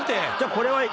これ。